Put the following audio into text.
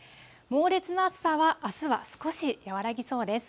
猛烈な暑さはあすは少し和らぎそうです。